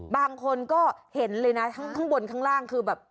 บางคนก็เห็นเลยนะทั้งข้างบนข้างล่างคือแบบ